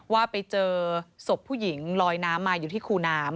ว่าไปเจอศพผู้หญิงลอยน้ำมาอยู่ที่คูน้ำ